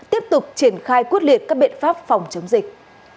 tiếp tục triển khai quyết liệt các biện pháp phòng chống dịch